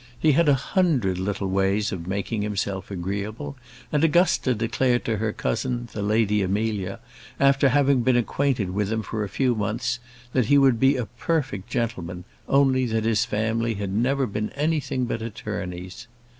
He had a hundred little ways of making himself agreeable, and Augusta declared to her cousin, the Lady Amelia, after having been acquainted with him for a few months, that he would be a perfect gentleman, only, that his family had never been anything but attorneys.